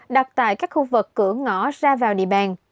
đặt tại các khu vực cửa ngõ ra vào địa bàn